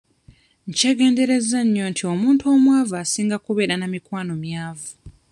Nkyegenderezza nnyo nti omuntu omwavu asinga kubeera na mikwano myavu.